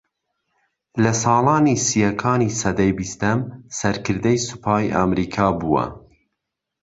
لە ساڵانی سیەکانی سەدەی بیستەم سەرکردەی سوپای ئەمریکا بووە